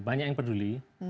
banyak yang peduli